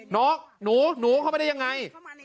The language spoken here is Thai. น้องหนูหนูเข้าไปได้ยังไง